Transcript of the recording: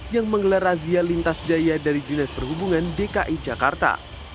yang menggelar razia lintas jaya dari dinas perhubungan dki jakarta